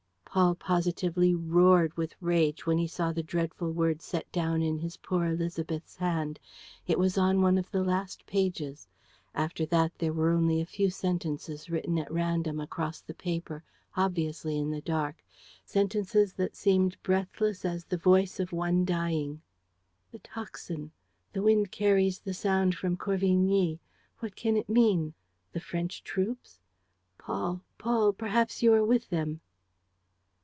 ...'" Paul positively roared with rage when he saw the dreadful word set down in his poor Élisabeth's hand. It was on one of the last pages. After that there were only a few sentences written at random, across the paper, obviously in the dark, sentences that seemed breathless as the voice of one dying: "The tocsin! ... The wind carries the sound from Corvigny. ... What can it mean? ... The French troops? ... Paul, Paul, perhaps you are with them!